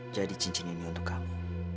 jadi cincin ini untuk kamu